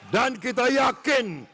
dan kita yakin